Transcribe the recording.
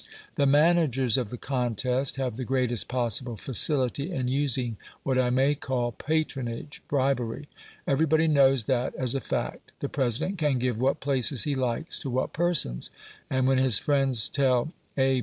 The managers of the contest have that greatest possible facility in using what I may call patronage bribery. Everybody knows that, as a fact, the President can give what places he likes to what persons, and when his friends tell A.